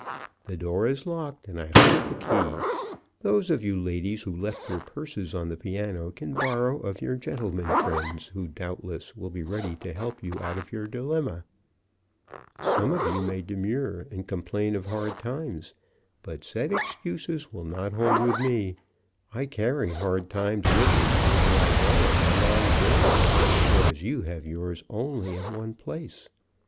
The door is locked, and I hold the key. Those of you ladies who left your purses on the piano can borrow of your gentlemen friends, who, doubtless, will be ready to help you out of your dilemma. Some of you may demur, and complain of hard times, but said excuses will not hold with me; I carry hard times with me whither I go on my long journey, whereas you have yours only in one place.